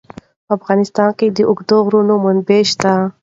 په افغانستان کې د اوږده غرونه منابع شته.